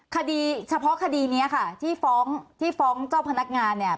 คดีเฉพาะคดีนี้ค่ะที่ฟ้องที่ฟ้องเจ้าพนักงานเนี่ย